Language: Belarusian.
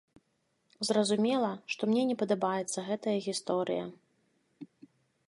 Зразумела, што мне не падабаецца гэтая гісторыя.